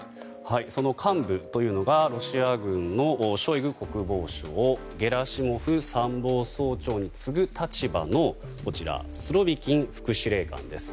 その幹部というのがロシア軍のショイグ国防相ゲラシモフ参謀総長に次ぐ立場のスロビキン副司令官です。